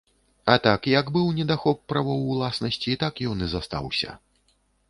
А так як быў недахоп правоў уласнасці, так ён і застаўся.